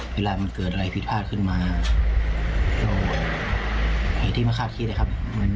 เวลามันเกิดอะไรผิดพลาดขึ้นมาก็ไอ้ที่ไม่คาดคิดนะครับ